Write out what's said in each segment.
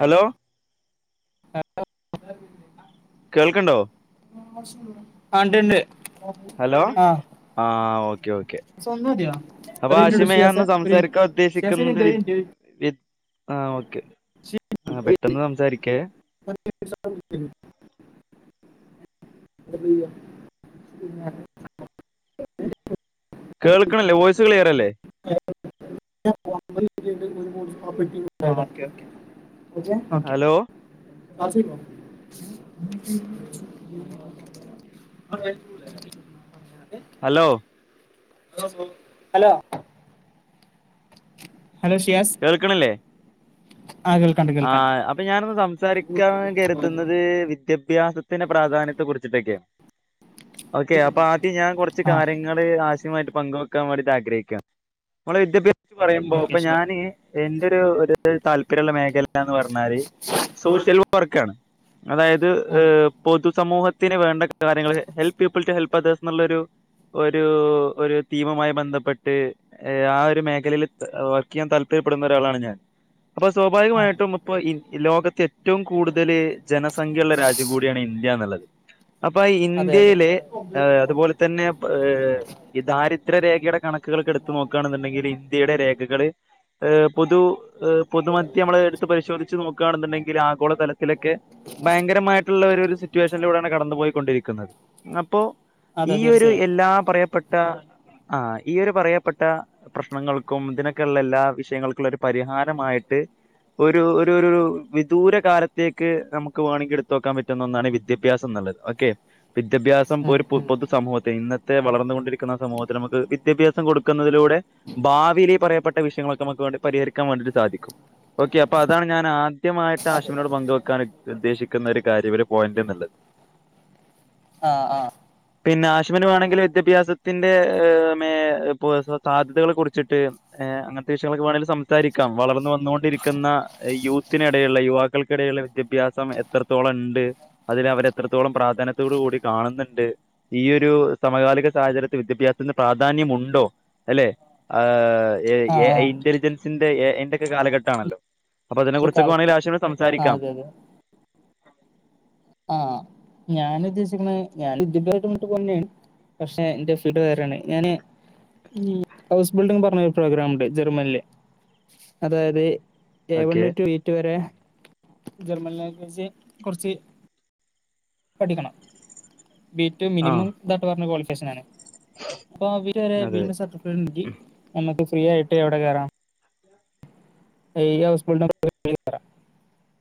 Hello [unintelligible] കേൾക്ക്ണ്ടോ? ആഹ് ഇണ്ട് ഇണ്ട്. ഹലോ ആഹ് ഓക്ക ഓക്കെ ഒക്കെ സ്വന്തം മതിയോ അപ്പൊ ഒരു മിനിറ്റ് ഇടൂ ആശിമ ഞാൻ ഷിയാസ ഒന്ന് ഒരു മിനിറ്റ് സംസാരിക്കാൻ ഷിയാസ ഒരു ഉദ്ദേശിക്കുന്നത് മിനിറ്റ് വി ഒരു വി ആഹ് ഓക്കെ ആ പെട്ടെന്ന് സംസാരിക്കേ. [unintelligible] [unintelligible] കേൾക്കണല്ലേ voice ക്ളിയറല്ലേ? [unintelligible] Okay hello okay [unintelligible] hello hello hello Shiyas കേൾക്കണില്ലേ ആഹ് കേൾ ആഹ് അപ്പൊ ഞാനൊന്ന് സംസാരിക്കാൻ കരുതുന്നത് വിദ്യാഭ്യാസ ത്തിന്റെ പ്രാധാന്യത്തെ കുറിച്ചിട്ടക്ക ഓക്കെ അപ്പ ആദ്യം ഞാൻ കുറിച്ചു ആ കാര്യ നിങ്ങള് ആഷിമായിട്ട് പങ്കുവെക്കാൻ വേണ്ടിയിട്ട് ആഗ്രഹിക്കാം നമ്മളെ വിദ്യാഭ്യാസ പറയുമ്പോ ഓക്കെ അപ്പൊ ശുവ ഞാന് എന്റെ ഒരു താല്പര്യമുള്ള മേഖല ന്ന് പറഞ്ഞാല് സോഷ്യൽ വർക്ക ആണ്. അതായത് ആ ഏഹ് പൊതുസമൂഹ ത്തിന് വേണ്ട കാര്യങ്ങൾ help people to help others എന്നുള്ളൊരു ഒരു ഒരു തീമുമായി ബന്ധപ്പെട്ട് ആ ഒരു മേഖലയിൽ വർക്ക് ചെയ്യാൻ താല്പര്യപ്പെടുന്ന ഒരാളാണ് ഞാൻ അപ്പൊ ആ സ്വാഭാവികമായി ഇപ്പം ലോകത്ത് ഏറ്റവും കൂടുതല് ജനസംഖ്യ ഉള്ള രാജ്യം കൂടിയാണ് ഇന്ത്യ എന്നുള്ളത് അപ്പൊ അതെ അതെ ഇന്ത്യയില് ഏഹ് അതുപോലെ തന്നെ ഏഹ് ഈ ദാരിദ്ര്യരേഖയുടെ കണക്ക് കണക്കുകൾ ഒക്കെ എടുത്തു നോക്കുകയാണെന്നുണ്ടെങ്കില് ഇന്ത്യയുടെ രേഖകള് ഏഹ് പൊതു പൊതുമധ്യ നമ്മള് കുതിച്ചു നോക്കാണെന്നുണ്ടെങ്കിൽ ആഗോള തലത്തിലൊക്കെ ഭയങ്കരമായിട്ടുള്ള ഒരു ഒരു സിറ്റുവേഷനിലൂടെയാണ് കടന്നു പോയിക്കൊണ്ടിരിക്കുന്നത് അപ്പോ അതെ ഈ ഒരു തീർച്ചയായും എല്ലാ പറയപ്പെട്ട ആഹ് ഈ ഒരു പറയപ്പെട്ട പ്രശ്നങ്ങൾക്കും ഇതിനൊക്കെയുള്ള എല്ലാ വിഷയങ്ങൾക്കും ഉള്ള ഒരു പരിഹാരമായിട്ട് ഒരു ഒരു ഒരു വിദൂര കാലത്തേക്ക് നമുക്ക് വേണെങ്കില് എടുത്ത് നോക്കാൻ പറ്റുന്ന ഒന്നാണ് വിദ്യാഭ്യാസം ന്നുള്ളത് ഓക്കെ വിദ്യാഭ്യാസം ഉം, ഒരു പൊതു ഉം. പൊതുസമൂഹത്തെ ഇന്നത്തെ വളർന്നു കൊണ്ടിരിക്കുന്ന സമൂഹത്തിൽ നമുക്ക് വിദ്യാഭ്യാസം കൊടുക്കുന്നതിലൂടെ ഭാവിയില് ഈ പറയപ്പെട്ട വിഷയങ്ങളൊക്കെ നമുക്ക് വേണ്ടി പരിഹരിക്കാൻ വേണ്ടിട്ട് സാധിക്കും ഓക്കെ അപ്പൊ അതാണ് ഞാൻ ആദ്യമായിട്ട് അതെ ഹാഷിമിനോട് പങ്കുവെക്കാൻ ഉദ്ദേശിക്കുന്ന ഒരു കാര്യം ഒരു പോയിന്റ് എന്നുള്ളത് ആഹ് ആഹ് പിന്നെ ഹാഷിമിന് വേണെങ്കിൽ വിദ്യാഭ്യാസത്തിന്റെ ഏഹ് മേ ഇപ്പൊ സാധ്യതകളെ കുറിച്ചിട്ട് ഏഹ് അങ്ങനത്തെ വിഷയങ്ങളൊക്കെ വേണങ്കിൽ സംസാരിക്കാം വളർന്ന് വന്നു കൊണ്ടിരി ക്കുന്ന യൂത്തിനിടയുള്ള യുവാക്കൾക്കിടയിലുള്ള വിദ്യാഭ്യാസം എത്രത്തോളം ഇണ്ട് അതിനെ അവര് എത്രത്തോളം പ്രാധാന്യത്തോടു കൂടി കാണുന്നുണ്ട് ഈയൊരു സമകാലിക സാഹചര്യത്തിൽ വിദ്യാഭ്യാസത്തിന് പ്രാധാന്യമുണ്ടോ അല്ലെ ആഹ് ആ എ ഐ ആ ഇന്റലിജൻസിന്റെ എ ഐന്റെയൊക്കെ കാലഘട്ടാണല്ലോ അപ്പം ഇത് അതിനെകുറിച്ച് ഒക്കെ വേണങ്കിൽ കാലത്ത് ഹാശിനോട് ആ സംസാരിക്കാം അതെ അതെ ആഹ് ഞാൻ ഉദ്ദേശിക്കുന്നത് ഞാൻ [unintelligible] പക്ഷെ എന്റെ ഫീൽഡ് വേറേണ് ഞാന് മ്മ് ഹൗസ് ബിൽഡിങ് പറഞ്ഞ ഒരു പ്രോഗ്രാം ഉണ്ട് ജർമ്മനീല് അതായത് A one okay to B two വരെ ജർമ്മൻ ലാംഗ്വേജ് കുറച്ച് പഠിക്കണം ബീ റ്റു ആ മിനിമം ഇതാട്ടൊ പറഞ്ഞ ക്വാളിഫിക്കേഷൻ ആണ് അപ്പം അവര് പറയ ബി അതെ യുടെ സർട്ടിഫിക്കറ്റ് ഉണ്ടെങ്കിൽ നമുക്ക് ഫ്രീ ആയിട്ട് എവിടെ കയറാം ഈ ഹൗസ് ബിൽഡിംഗ് പ്രോംഗ്രാമിന് കേറാം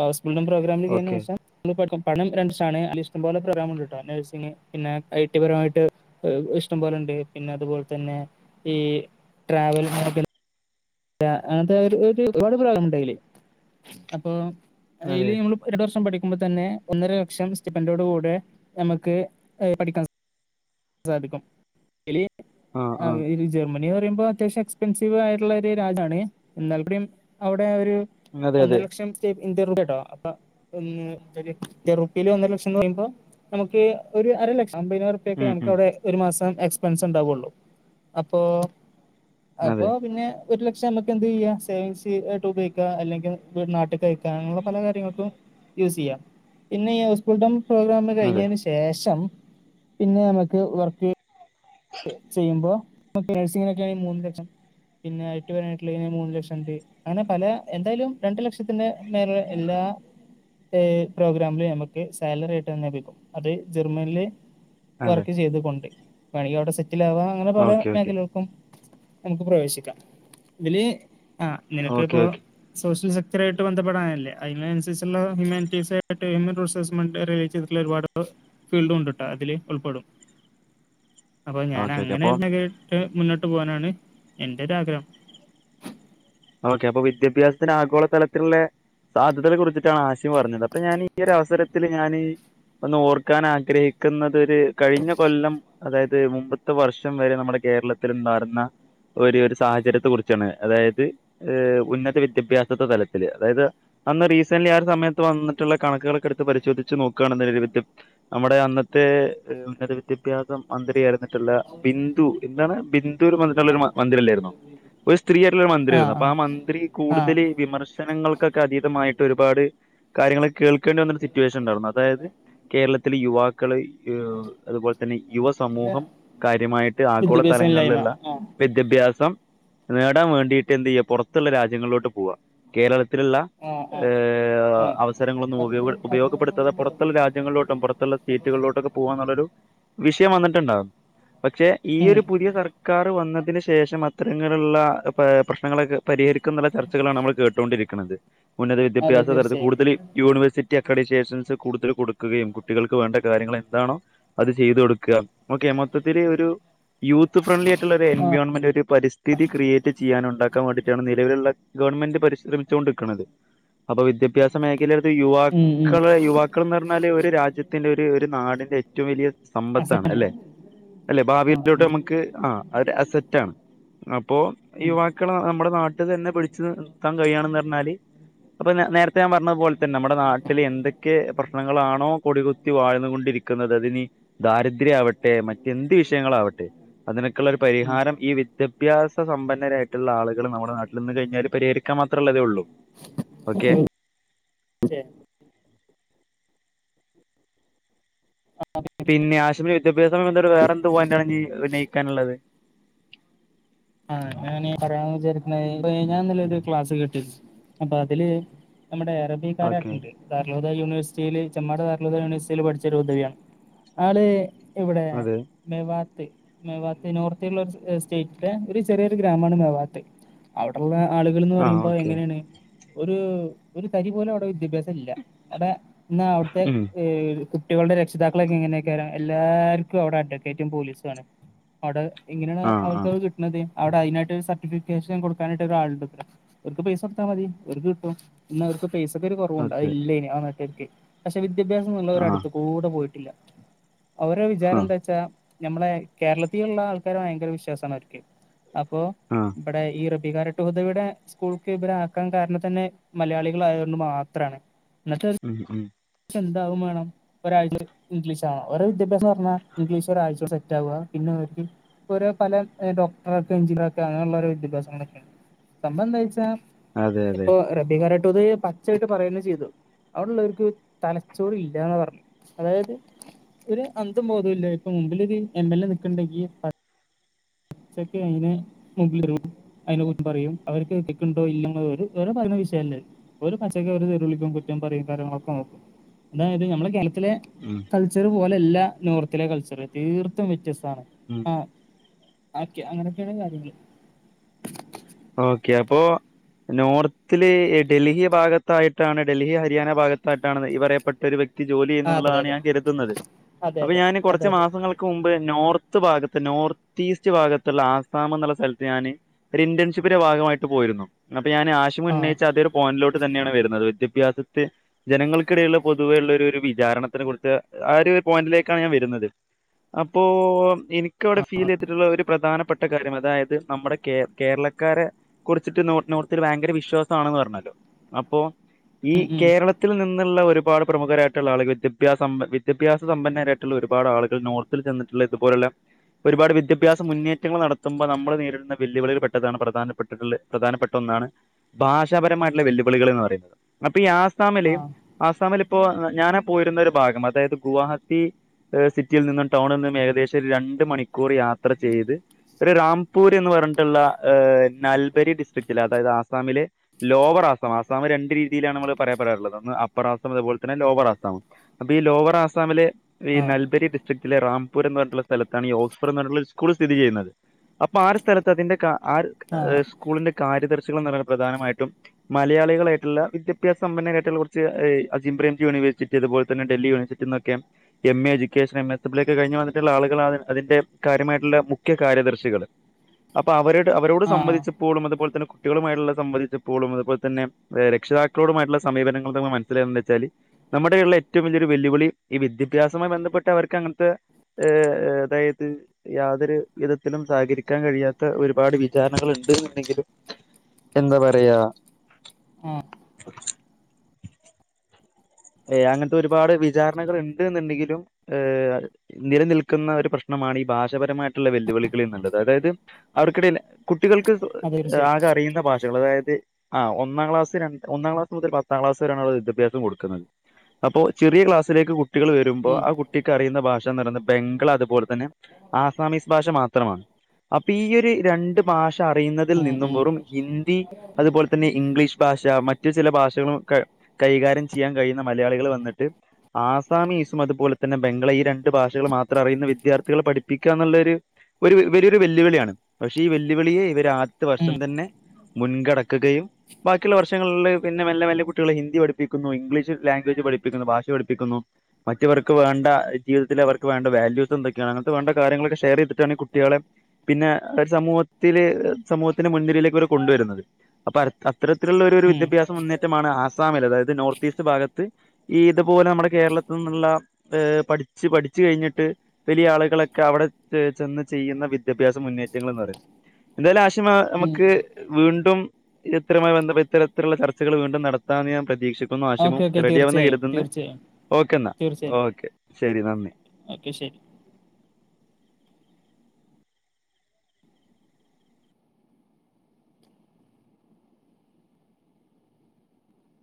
ഹൗസ് ബിൽഡിംഗ് പ്രോഗ്രാമില് ഓക്കെ കേറിയ ശേഷം പണം [unintelligible] ഇഷ്ടം പോലെ പ്രോഗ്രാം ഉണ്ട് കേട്ടോ നഴ്സിംഗിന് പിന്നെ ഐ ടി പരമായിട്ട് അഹ് ഇഷ്ടം പോലെണ്ട് പിന്നെ അതുപോലെ തന്നെ ഈ ട്രാവൽ മേഖല [unintelligible] അങ്ങനത്തെ ഒരുപാട് പ്രോഗ്രം ഉണ്ടയ്ല് അപ്പൊ അതെ അയ്ല് നമ്മള് രണ്ട് വർഷം പഠിക്കുമ്പോ തന്നെ ഒന്നര ലക്ഷം സ്റ്റയ്പ്പന്റോട് കൂടെ നമുക്ക് പഠിക്കാൻ സാധിക്കും ആ ആ അതില് ജർമനീന്ന് പറയുമ്പോ അത്യാവശ്യം എക്സ്പെൻസീവ് ആയിട്ടുള്ള രാജ്യമാണ് എന്നാൽക്കൂടെയും അവിടെ ഒരു അതെ ഒന്നര അതെ ലക്ഷം ഇന്ത്യൻ റുപ്യ കേട്ടോ അപ്പൊ [unintelligible] ഉറുപ്പയില് ഒന്നര ലക്ഷം എന്ന് പറയുമ്പോ നമുക്ക് ഒരു അരലക്ഷം അമ്പതിനായിരം ർപെക്കെ ഉം നമുക്ക് ഉം അവിടെ ഒരു മാസം എക്സ്പെൻസ് ഉണ്ടാവുള്ളൂ അപ്പോൾ അപ്പൊ അതെ പിന്നെ ഒരു ലക്ഷം നമുക്ക് എന്ത് ചെയ്യാം സേവിങ്സ് ആയിട്ട് ഉപയോഗിക്കാം അല്ലെങ്കിൽ വീട്ട് നാട്ട്ക്ക് അയ ക്കാം അങ്ങനെയുള്ള പല കാര്യങ്ങൾക്കും യൂസ് ചെയ്യാം പിന്നെ ഈ ഹൗസ് ബിൽഡിംഗ് പ്രോഗ്രാമ് കഴിഞ്ഞ അതെ ശേഷം ശേഷം പിന്നെ നമ്മക്ക് വർക്ക് ചെയ്യുമ്പോ നേഴ്സിങ്ങിനൊക്കെയണെ മൂന്ന് ലക്ഷം പിന്നെ ഐ ടി പരമായിട്ടുള്ള മൂന്ന് ലക്ഷണ്ട് അങ്ങനെ പല എന്തായാലും രണ്ടു ലക്ഷത്തിന്റെ മേലേ എല്ലാ ഏഹ് പ്രോഗ്രമില് നമക്ക് സാലറി ആയിട്ട് തന്നെ ലഭിക്കും അത് ജർമ്മൻല് അതെ വർക്ക് ചെയ്ത് കൊണ്ട് വേണേൽ അവിടെ സെറ്റിൽ ആവാം അങ്ങനെ പല ഓക്കെ ഓക്കെ മേഖലകൾക്കും നമുക്ക് പ്രവേശിക്കാം ഇതില് ആഹ് ഓക്കെ നിനക്കിപ്പോ ഓക്കെ സോഷ്യൽ സെക്ടർ ആയിട്ട് ബന്ധപ്പെടാനല്ലെ അയ്നനുസരിച്ചുള്ള ഹ്യൂമാറ്റീസ് ആയിട്ട് ഹ്യൂമൻ റിസോഴസ് റിലേ ചെയ്ത് അതിലൊരുപാട് ഫീൽഡും ഉണ്ട്ട്ടോ അതില് ഉൾപ്പെടും അപ്പൊ ഞാൻ ഓക്കെ ഓക്കെ അങ്ങനെ അപ്പോൾ ഒരു കേട്ട് മുന്നോട്ട് പോകാനാണ് എന്റെ ഒരുരാഗ്രഹം ഓക്കെ അപ്പൊ വിദ്യാഭ്യാസത്തിന് ആഗോള തലത്തിലുള്ള സാധ്യതയെ കുറിച്ചിട്ടാണ് ആശ്യം പറഞ്ഞത് അപ്പൊ ഞാൻ ഈ ഒരു അവസരത്തിലൽ ഞാൻ ഒന്ന് ഓർക്കാൻ ആഗ്രഹിക്കുന്നുന്നത് ഒരു കഴിഞ്ഞ കൊല്ലം അതായത് മുമ്പത്തെ വർഷം വരെ നമ്മുടെ കേരളത്തി ഉണ്ടാർന്ന ഒരു ഒരു സാഹചര്യത്തെ കുറിച്ചാണ് അതായത് ഏഹ് ഉന്നത വിദ്യാഭ്യാസത്തെ തലത്തില് അതായത് അന്ന് റീസന്റ്ലി ആഹ് ഒരു സമയത്ത് വന്നിട്ടുള്ള കണക്കുകളൊക്കെ എടുത്ത് പരിശോധിച്ച് നോക്കയാണ് അതിന്റെ നമ്മുടെ അന്നതെ ഉന്നദ്ധ വിദ്യാഭ്യസ മന്ത്രി ആയിട്ടുള്ള ബിന്ദു എന്താണ് ബിന്ദു എന്ന് പറഞ്ഞിട്ടോരു മന്ത്രി ഇല്ലാരുന്നോ ഒരു സ്ത്രീ ആയിട്ടുള്ള ഒരു ആ മന്ത്രിയായിരുന്നു അപ്പൊ ആ ആഹ് മന്ത്രി ആ കൂടുതൽ വിമർശനങ്ങൾക്കൊക്കെ അതീതമായിട്ട് ഒരുപാട് കാര്യങ്ങളൊക്കെ കേൾക്കേണ്ടി വന്നൊരു സിറ്റുവേഷൻ ഉണ്ടായിരുന്നു അതായത് കേരളത്തിലെ യുവാക്കള് അതുപോലെ തന്നെ യുവ സമൂഹം കാര്യമായി ട്ട് ആഗോള വിദ്യാഭ്യാസമില്ലായ്മ തലങ്ങളിലുള്ള ആ വിദ്യാഭ്യാസം നേടാൻ വേണ്ടിട്ട് എന്ത് ചെയ്യാ പുറത്തുള്ള രാജ്യങ്ങളിലോട്ട് പോവാ കേരളത്തിലുള്ള ആഹ് ആഹ് ഏഹ് ആഹ് അവസരങ്ങളൊന്നും ഉപയ ഉപയോഗപ്പെടുത്താതെ പുറത്തുള്ള രാജ്യങ്ങളിലോട്ടും പുറത്തുള്ള സീറ്റുകളിലോട്ടൊക്കെ പോവന്നുള്ളൊരു വിഷയം വന്നിട്ടുണ്ടായിരുന്നു പക്ഷേ ഈ ഉം ഒരു പുതിയ സർക്കാർ വന്നതിന് ശേഷം അത്തരങ്ങളിൽ ഉള്ള പ്രശ്നങ്ങൾ- പരിഹരിക്കും എന്നുള്ള ചർച്ചകളാണ് നമ്മൾ കേട്ടുകൊണ്ടിരിക്കുന്നത് ഉന്നത അതെ വിദ്യാഭ്യാസ തലത്തിൽ തീർച്ചയായും കൂടുതൽ യുണിവേഴ്‌സിറ്റി ആക്രിട്ടികേശൻസ് കോടുക്കുകയും കുട്ടിക്കൾക്ക് വേണ്ട കാര്യങ്ങൾ എന്താണോ അത് ചെയ്ത് കൊടുക്കുക ഒക്കെ മൊത്തത്തില ഒരു യൂത്ത് ഫ്രണ്ട്ലി ആയിട്ടുള്ള ഒരു ആഹ് എൻവയോൺമെന്റ് ഒരു പരിസ്ഥി ക്രിയേ ചെയ്യാന ഉണ്ടാക്കാൻ വേണ്ടി റ്റിയാണ് നിലവിലുള്ള ഗവൺമെന്റ് പരിസ്രരമിച്ചൊണ്ട് ഇരിക്കുന്നത് അപ്പോ വിദ്യാഭ്യാസ മേഘലക്കളില് യുവ ഉം ഉം ക്കള് യുവാക്കൾ എന്ന് പറഞ്ഞാല് ഒരു രാജ്യത്തിന്റെ ഒരു ഒരു നാടിന്റെ ഏറ്റവും വലിയ സമ്പത്താണ് അസറ്റാണ് അല്ലെ അല്ലെ ആഹ് ഭാവിയിലോട്ട് ഉം നമുക്ക് ആഹ് അര് അസെറ്റ ആണ് അപ്പോ ഉം യുവാക്കൾ നമ്മുടെ നാട്ടിൽ തന്നെ പിടിച്ചു നിർത്താൻ കഴിയാണന്ന് പറഞ്ഞാല് അപ്പൊ നേരത്തെ ഞാൻ പറഞ്ഞതു പോലെ തന്ന നമ്മുടെ നാട്ടില് എന്തൊക്കെ പ്രശ്നങ്ങളാണോ കൊട- ക്കുത്തി വാഴ്ന്നുകൊണ്ടിരിക്കുന്നത് അതിന് ദാരിദ്ര്യം ആവട്ടെ മറ്റെന്ത് വിഷയങ്ങളാവട്ടെ അതിനൊക്കെയുള്ള ഒരു ഉം പരിഹാരം ഈ വിദ്യാഭ്യാസ സമ്പന്നരായിട്ടുള്ള ആളുക നമ്മുടെ നാട്ടിൽന്ന് കഴിഞ്ഞല് പരിഹരിക്കാൻ മാത്രമല്ലേ അതേ ഉള്ളൂ ഓക്കെ ശരി പിന്നെ അശിമിന് വിദ്യാഭ്യാസ സമ്പദമായി വേറെ എന്ത് പോയിറ്റ് ആണ് ഉന്നയിക്കാൻ ഉള്ളത് ആഹ് പറയാന്ന് വിചാരിക്ക ഞാൻ ഇന്നലെ ഒരു ക്ലാസ് കേട്ടിരുന്നു അപ്പ അതില് നമ്മടെ ഓക്കെ [unintelligible] ാർലോദ യൂണിവേഴ്സിറ്റിയിൽ ചെ്മാടാർലോ യൂണിവഴ്സിറ്റിൽ പഠിച്ച ഒരു ഉദവിയാണ് ആള് ഇവിടെ അതെ മെവാത്ത് മെവാത്ത് നോർത്തിയുള്ള ഒരു ചെ സ്റ്റേറ്റ ഒരു ചെറിയൊരു ഗ്രാമാണ് മവാത്ത് അവിടെയുള്ള ആളുകൾ എന്ന് ആ പറയുമ്പോ ഓക്കെ എങ്ങനെയാണ് ഒരു ഒരു തരി പോലും അവിടെ വിദ്യാഭ്യാസം ഇല്ല അവിടെ ഇന്ന് അവിടുത്തെ ഉം കുട്ടികളുടെ രക്ഷിതാക്കളൊക്കെ എങ്ങനൊക്കെ വരാം എല്ലാവർക്കും അവിടെ അഡവക്കേറ്റും പോലീസും ആണ് അവിടെ എങ്ങനെയാണ് ആ ആ അവർക്ക് അവ കിട്ടുന്നത് അവിടെ അതിനായിട്ട് സർട്ടിഫിക്കേഷൻ കൊടുക്കാനായിട്ട് ഒരാള് ഉണ്ട് അത്ര ഓർക്ക് പയിസാ കോടുത്താ മതി അവർക്ക് കിട്ടും ഇന്ന് - ക്ക് പൈസക്ക് ഒരു കുറവും ഓക്കെ ഇല്ലേയിനി ആഹ് നാട്ടുക്കാർക്ക് പക്ഷേ വിദ്യാഭ്യാസമുള്ള ആ അടുത്ത് കൂടെ പോയിട്ടില്ല അവര വിചാരം ആഹ് എന്താ വെച്ചാ നമ്മളെ കേരളത്തിലുള്ള ആൾക്കാര് ഭയങ്കര വിശ്വാസമാണ് അവർക്ക് അപ്പോ ആഹ് ഇവിടെ [unintelligible] സ്കൂൾക്ക് ഇരെ ആക്കാ കാരണം തന്നെ മലയാളികള് ആയത് ണ്ട് മാത്രണ് എന്നിട്ട് ഉം ഉം ച്ചന്താവുമാണം ഒരാഴ്ച ഇംഗ്ലീഷ് ആവാ ഓര് വിദ്യാഭ്യാസംന്ന് പറഞ്ഞാഇംഗ്ലീഷ് ഒരാഴ്ച സെറ്റ് ആവ പിന്നൊർക്ക് ഓരോ പല ഡോടറർകെഎൻഞ്ചിനിയർ കെ അങ്ങനള്ള ഓരോ വിദ്യഭ്യാസങ്ങളൊക്കെയ സംഭവന്തച്ചാ അതെ അതെ ഇപ്പൊ റബിക്കാരാതൊട്ട് പച്ചായിട്ട് പറയ ചെയ്തു അവിടല്ലൊർക്ക് തലച്ചോറ് ഇല്ലന്ന പറഞ്ഞ് അതായത് ഒരു അന്തം ബോധല്ല ഇപ്പൊ മുമ്പിലൊരു എം എൽ എ നിക്ക്‌ണ്ടെങ്കി [unintelligible] [inaudible] അയ്നെ കുറിച്ച് പറയും അവർക്ക് കേക്കണ്ടോ ഇല്ലന്നരുഇ ത് വരെ പറയുന്ന വിഷയല്ലേ ഒരു പച്ചക്കെ ഒരു തെറിവിളിക്കും കുറ്റം പറയും കാര്യങ്ങളൊക്കെ നോക്കും അതായത് നമ്മുടെ കേളത്തിലെ ഉം കൾച്ചർ പോലല്ല നോർത്തിലെ കൾച്ചറ് തീർത്തും വ്യത്യസ്തണ് ഉം ആക്യ അങ്ങനക്കെണ് കാര്യങ്ങൾ ഓക്കെ അപൊ നോർത്തില് ഡൽഹി ഭാഗത്തായിട്ടാണ് ഡൽഹി ഹരിയാന ഭാഗത്തായിട്ടാണ് ഈ പറയപ്പെട്ട ഒരു വ്യക്തി ജോലി ആഹ് അതെ ചെയ്യുന്നുള്ളതാണ് അതെ ഞാൻ കര്തുന്നത് അതെ അപ്പൊ ഞാന് അതെ അതെ കുറച്ച് അതെ മാസങ്ങള് ക്കു മുൻപ് നോർത്ത് ഭാഗത്ത് നോർത്ത് ഈസ്റ്റ് ഭാഗത്തുള്ള ആസാം എന്നുള്ള സ്ഥലത്ത് ഞാന് ഒര് ഇന്റൻഷിപ് ആയ ഭാഗമായിട്ട് പോയിരുന്നു അപ്പൊ ഞാന് ആഷിമ് ആഹ് ഉന്നയിച്ച അതേ ഒരു പോയിന്റിലോട്ട് തന്നെയാണ് വരുന്നത് വിദ്യാഭ്യാസത്തെ ജനങ്ങൾക്കിടയുള്ള പൊതുവെ ഉള്ളഒര് ഒരു വിചാരണത്തിനെ കുറിച്ച് ആ ഒരു പോയിന്റിലേക്കാണ് ഞാൻ വരുന്നത് അപ്പോ എനിക്കവിടെ ഫീൽ തിട്ടുള്ള ഒരു പ്രധാനപ്പെട്ട കാര്യം അതായത് നമ്മുടെ കേ കേരള ക്കാരകുറിച്ചിട്ട് നോർത്തിൽ ഭയങ്കര വിശ്വാസ ആണെന്ന് പറഞ്ഞല്ലോ അപ്പൊ ഈ ഉം ഉം കേരള ത്തിൽ നിന്നുള്ള ഒരുപാട് പ്രമുഖരായിട്ടുള്ള ആളുകൾ വിദ്യാഭ്യാസ വിദ്യാഭ്യാസമ്പന്നരായിട്ടുള്ള ഒരുപാട് ആളുകൾ നോർ ത്തിചെന്നിട്ടുള്ള ഇതുപലുള്ള ഒരുപാട് വിദ്യാഭ്യാസ മുന്നേറ്റങ്ങൾ നടുത്തുമ്പോൾ നമ്മൾ നേരിടുന്ന വെല്ലുവിളികൾ പ താണ് പ്രധാനപ്പെട്ടിട്ടുള്ള പ്രധാനപ്പെട്ട ഒന്നാണ് ഭാഷാപരമായിട്ടുള്ള വെല്ലുവിളികൾ എന്ന് പറയും അപ്പൊ ഈ ആസാമിൽ ആഹ് ആസാമില് ഇപ്പോ അ ഞാനാ പോയിരുന്ന ഒരു ഭാഗം അതായത് ഗുവാഹത്തി സിറ്റിയിൽ നിന്നും ടൗണിൽ നിന്നും ഏകദേശം രണ്ട് മണിക്കൂർ യാത്ര ചെയ്ത് ഒരു റാംപൂർ എന്ന് പറഞ്ഞിട്ടുള്ള ഹ് നൽബരി ഡിസ്ട്രിക്റ്റില് അതായത് ആസാമിലെ ലോവർ ആസാം ആസാം രണ്ട് രീതിയിലാണ് നമ്മൾ പറയാൻപെടാറുള്ളത് ഒന്ന് അപ്പർ ആസം അതുപോലെ തന്നെ ലോവർ ആസാം അപ്പൊ ഈ ലോവർ ആസാമില് ഈ ആഹ് നൽബരി ഡിസ് ക്രറ്റിലെ റാംപൂര് എന്ന സ്‌ഥലത്താണ് ഓക്സ്ഫോർ എന്ന് പറഞ്ഞട്ടുള്ള സ്കുൾ സ്ഥിതി ചെയ്യുന്നത് അപ്പൊ ആറ് സ്ഥലത്ത് അതിന്റെ ആ ആഹ് സ്കൂളിന്റെ കാര്യദർശികൾന്ന് പറ പ്രധാനമായിട്ടും മലയാളികളായിട്ട വിാഭ്യാസമ്പന്നരായിട്ട കുച്ച് അജിംബ്രെ ജുണേഴ്സിറ്റി അത് പോലെന്നെ ഡൽഹി യൂണിവേഴ്സിറ്റി എന്നൊക്കെ M A education M S W ഒക്കെ കഴിഞ്ഞ് വന്നിട്ടുള്ള ആളുകളാണ് അതിന്റെ കാര്യമായിട്ടുള്ള മുഖ്യ കാര്യദർശികള് അപ്പൊ അവരോട് ആഹ് സംബന്ധിച്ചപ്പോഴും അതുപോലെ തന്നെ കുട്ടികളുമായിട്ടുള്ള സംബന്ധിച്ചപ്പോളും അതുപോലെ തന്നെ രക്ഷിതാക്കളോടുമായിട്ടുള്ള സമീപനങ്ങൾമ്മൾ മനസ്സിലായന്ന് വെച്ചാല് നമ്മുടെ യുള്ള ഏറ്റവും വലിയൊരു വെല്ലുവിളി ഈ വിദ്യാഭ്യാസമായിബ ന്ധട്ട അവർക്ക് അങ്ങനത്തെ ഏ അതായത് യാതൊരു വിധത്തിലും സഹകരിക്കാൻ കഴിയാത്ത ഒരു ഒരുപാട് വിചാരണകൾ ഉണ്ട് ന്നുണ്ടെങ്കിലും എന്താ പറയാ ഏ അങ്ങനത്തെ ഒരുപാട് വിചാരണകൾ ഉണ്ട് എന്നുണ്ടെങ്കിലും ഏഹ് നില നിൽക്കുന്ന ഒരു പ്രശ്നമാണ് ഈ ഭാഷപരമായിട്ടുള്ള വെല്ലുവിളികൾ ന്ന്ള്ളത് അതായത്അവർക്കിടയിൽ കുട്ടികൾക്ക് അത് തീർച്ചയായും ആകെ അറിയുന്ന ഭാഷകൾ അതായത് ആഹ് ഒന്നാം ക്ലാസ് രണ്ട് ഒന്നാം ക്ലസ് മുതൽ പത്താം ക്ലസ് വരെ ണ് വിദ്യാഭ്യസംകൊടുക്കുന്നത് അപ്പോചെറിയ ക്ലാസ്സിലേക്ക് കുട്ടികൾ വരുമ്പോ ആ കുട്ടിക്ക് അറിയുന്ന ഭാഷ നിലനിർ ബംഗൾ അതുപോലെ തന്നെ ആസാമിസ് ഭാഷ മാത്രമാണ് അപ്പൊ ഈ ഒരു രണ്ട് ഭാഷ അറിയുന്നതിൽ ഉം നിന്നും ഉം വെറും ഹിന്ദി അതുപോലെ തന്നെ ഇംഗ്ലീഷ് ഭാഷ മറ്റു ചില ഭാഷകളൊക്കെ കൈകാര്യം ചെയ്യാൻ കഴിയു ന്ന മലയാളികൾ വന്നിട്ട് ആസമീസും അതുപോലെ തന്നെ ബംഗളയീ രണ്ടു ഭാഷകൾ മാത്രം അറിയുന്ന വിദ്യാർത്ഥികളെ പഠിപ്പിക്കുകന്നുള്ളൊരു ഒരു വലിയൊരു വെല്ലുവിളിയാണ് പക്ഷെ ഈ വെല്ലുവിളിയെ ഇവരാദ്യത്തെ ഉം വർഷം ഉം തന്നെ മുൻകടക്കുകയും ബാക്കിയുള്ള വർഷങ്ങളില്ല് പിന്നെ മെല്ലെ മെല്ലെ കുട്ടികളെ ഹിന്ദി പഠിപ്പിക്കുന്നു ഇംഗ്ലീഷ് ച്ച് ലാംഗ്വേജ് പഠിപ്പിക്കുന്നു ഭാഷ പഠിപ്പിക്കുന്നു മറ്റവർക്ക് വേണ്ട ജീവിതത്തില് അവർക്ക് വേണ്ട വാല്യൂസെന്തൊക്കെയാണ് അങ്ങനത്തെ വേണ്ട കാര്യങ്ങളൊക്കെ ഷെയർ ചെയ്തിട്ടാണ് ഈ കുട്ടികളെ പിന്നെ ഒരു സമൂഹത്തില് സമൂഹത്തിന്റെ മുൻനിരയിലേക്ക് വരെ കൊണ്ടുവരുന്നത് അപ്പൊ അര അ ഇത്തരത്തിലുള്ളൊരു ഒരു ഉം വിദ്യാഭ്യാസം മുന്നേറ്റമാണ് ആസാമിൽ അതായത് നോർത്ത് ഈസ്റ്റ് ഭാഗത്ത് ഈത്പോലെ നമ്മുടെ കേരളത്തിൽ നിന്നുള്ള ഏ പഠിച്ച് പഠിച്ച് കഴിഞ്ഞിട്ട് വലിയ ആളുകളൊക്കെ അവിടെ ചെ ചെന്ന് ചെയ്യുന്ന വിദ്യാഭ്യാസ മുന്നേറ്റങ്ങളെന്ന് പറയുന്ന് എന്തായാലും ആശിമ് ഉം നമുക്ക് വീണ്ടും ഇത് ഇത്തരമായി ബന്ധപ്പെട്ട് ഇത്തരത്തിലുള്ള ചർച്ചകൾ വീണ്ടും നടത്താന്ന് ഞാൻ പ്രതീക്ഷിക്കുന്നു ആ ഓക്കെ ശിമും ഓക്കെ റെഡിയാവുമെന്ന് തീർച്ചയായും കരുത് ന്ന് തീർച്ചയായും ഓക്കെന്നാ തീർച്ചയായും ഓക്കെ ശരി നന്ദി ഓക്കെ ശരി